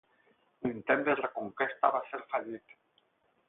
L'intent de reconquesta va ser fallit.